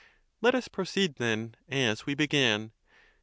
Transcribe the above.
Let us proceed, then, as we began.